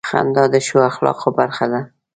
• خندا د ښو اخلاقو برخه ده.